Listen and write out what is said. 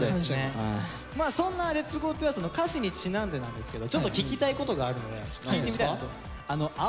そんな「Ｌｅｔ’ｓＧｏＴｏＥａｒｔｈ」の歌詞にちなんでなんですけどちょっと聞きたいことがあるので聞いてみたいなと。